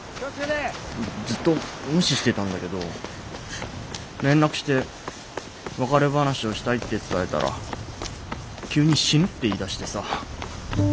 ずっと無視してたんだけど連絡して別れ話をしたいって伝えたら急に死ぬって言いだしてさ。